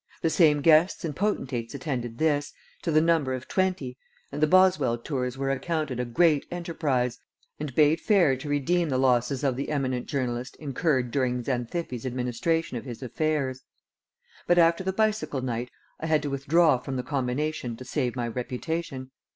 The same guests and potentates attended this, to the number of twenty, and the Boswell tours were accounted a great enterprise, and bade fair to redeem the losses of the eminent journalist incurred during Xanthippe's administration of his affairs; but after the bicycle night I had to withdraw from the combination to save my reputation.